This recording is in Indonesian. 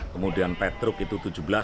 kemudian petruk itu tujuh belas dua puluh